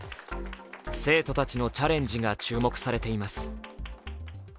生徒たちのチャレンジが注目されています。